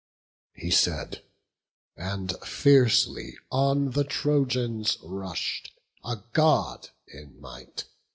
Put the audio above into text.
He said, and fiercely on the Trojans rush'd, A God in might!